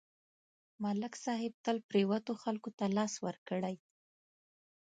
ملک صاحب تل پرېوتو خلکو ته لاس ورکړی